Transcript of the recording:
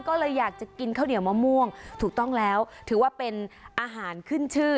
ก็เลยอยากจะกินข้าวเหนียวมะม่วงถูกต้องแล้วถือว่าเป็นอาหารขึ้นชื่อ